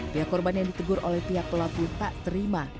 pihak korban yang ditegur oleh pihak pelaku tak terima